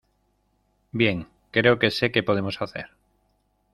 Bien, creo que sé qué podemos hacer.